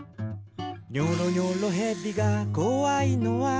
「ニョロニョロへびがこわいのは？」